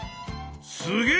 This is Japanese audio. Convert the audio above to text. すげえ！